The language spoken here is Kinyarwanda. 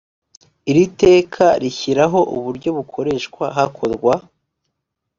iri teka rishyiraho uburyo bukoreshwa hakorwa